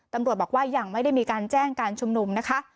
ตำรวจบอกว่ายังไม่ได้มีการแจ้งการชุมนุมนะคะ